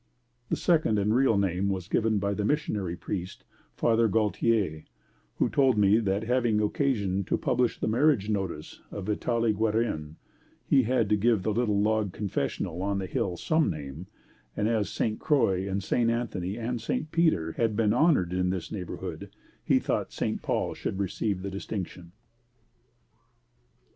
The second and real name was given by the Missionary Priest, Father Gaultier, who told me that having occasion to publish the marriage notice of Vitale Guerin, he had to give the little log confessional on the hill some name, and as St. Croix and St. Anthony and St. Peter had been honored in this neighborhood, he thought St. Paul should receive the distinction.